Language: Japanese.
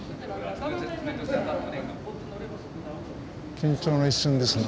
緊張の一瞬ですな